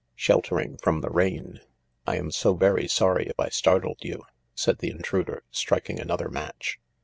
" Sheltering from the rain. I am so very sorry if I startled you," said the intruder, striking another match.